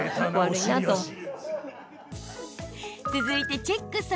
続いて、チェック